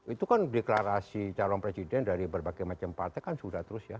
itu kan deklarasi calon presiden dari berbagai macam partai kan sudah terus ya